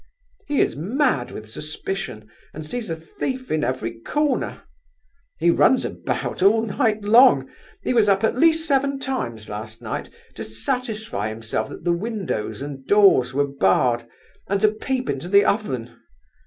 He is mad with suspicion, and sees a thief in every corner. He runs about all night long; he was up at least seven times last night, to satisfy himself that the windows and doors were barred, and to peep into the oven.